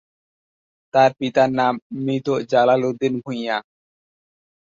তার পিতার নাম মৃত জালাল উদ্দিন ভূঁইয়া।